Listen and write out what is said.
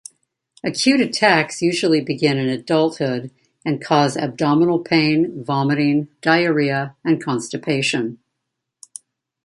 Acute attacks usually begin in adulthood and cause abdominal pain, vomiting, diarrhoea and constipation.